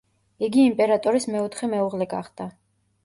იგი იმპერატორის მეოთხე მეუღლე გახდა.